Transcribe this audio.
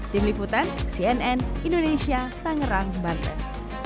tim liputan cnn indonesia tangerang banten